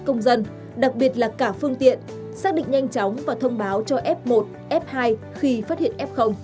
công dân đặc biệt là cả phương tiện xác định nhanh chóng và thông báo cho f một f hai khi phát hiện f